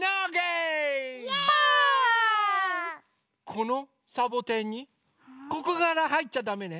このサボテンにここからはいっちゃだめね。